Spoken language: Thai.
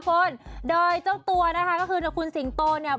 คุณโดยเจ้าตัวนะคะก็คือคุณสิงโตเนี่ย